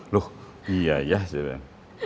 loh iya ya sebenarnya